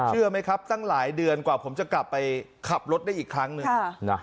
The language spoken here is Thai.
เชื่อไหมครับตั้งหลายเดือนกว่าผมจะกลับไปขับรถได้อีกครั้งหนึ่ง